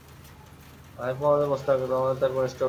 হানিফ মোহাম্মদ ও মুশতাক মোহাম্মদ তার কনিষ্ঠ ভ্রাতা।